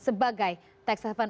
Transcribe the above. sebagai tax haven